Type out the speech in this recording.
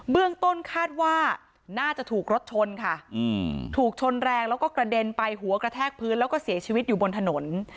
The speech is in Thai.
เรื่องต้นคาดว่าน่าจะถูกรถชนค่ะถูกชนแรงแล้วก็กระเด็นไปหัวกระแทกพื้นแล้วก็เสียชีวิตอยู่บนถนน